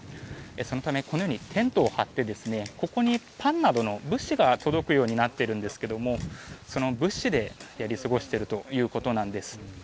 そのため、このようにテントを張ってここにパンなどの物資が届くようになっているんですがその物資でやり過ごしているということなんです。